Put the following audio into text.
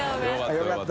よかった。